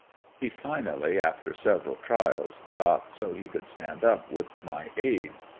He finally after several trials, got so he could stand up, with my aid.